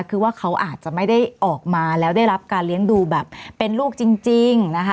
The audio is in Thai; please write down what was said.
คือว่าเขาอาจจะไม่ได้ออกมาแล้วได้รับการเลี้ยงดูแบบเป็นลูกจริงนะคะ